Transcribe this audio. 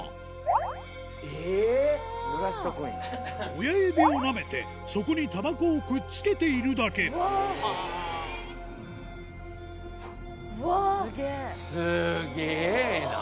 親指をなめてそこにたばこをくっつけているだけスゲェな！